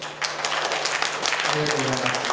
ありがとうございます。